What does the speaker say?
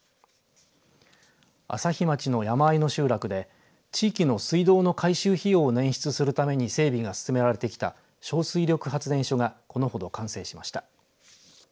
朝日町の山あいの集落で地域の水道の改修費用を捻出するために整備が進められてきた小水力発電所がこのほど完成しました。